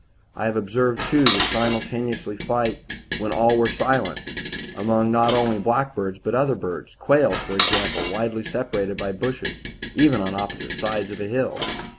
I have observed, too, the same simultaneous flight when all were silent, among not only blackbirds, but other birds quail, for example, widely separated by bushes even on opposite sides of a hill.